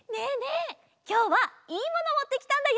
きょうはいいものもってきたんだよ！